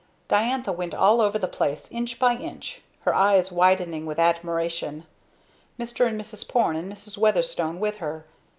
Diantha went all over the place, inch by inch, her eyes widening with admiration; Mr. and Mrs. Porne and Mrs. Weatherstone with her.